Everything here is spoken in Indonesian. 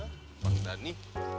hah bang dhani